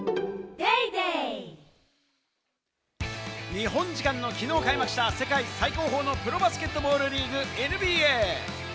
日本時間のきのう開幕した世界最高峰のプロバスケットボールリーグ・ＮＢＡ。